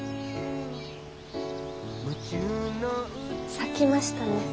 咲きましたね。